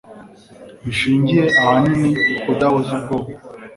bishingiye ahanini ku kudahuza ubwoko